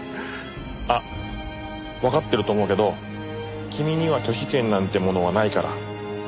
あっわかってると思うけど君には拒否権なんてものはないから。